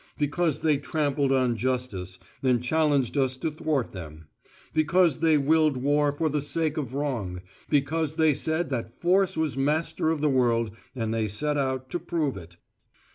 Because they trampled on justice, and challenged us to thwart them. Because they willed war for the sake of wrong; because they said that force was master of the world, and they set out to prove it.